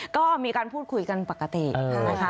ก็มีการพูดคุยกันปกตินะคะ